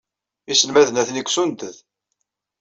Iselmaden atni deg usunded.